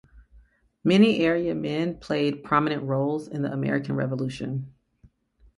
Many area men played prominent roles in the American Revolution.